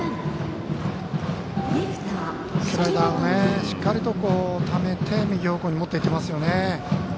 スライダーをしっかりとためて右方向に持っていってますね。